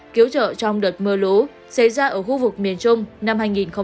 cứu trợ trong đợt mưa lũ xảy ra ở khu vực miền trung năm hai nghìn hai mươi